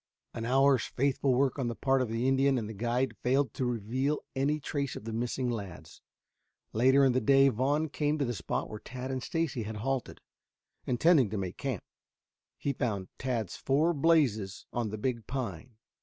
An hour's faithful work on the part of the Indian and the guide failed to reveal any trace of the missing lads. Later in the day Vaughn came to the spot where Tad and Stacy had halted, intending to make camp. He found Tad's four blazes on the big pine.